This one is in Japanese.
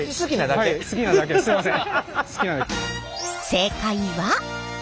正解は？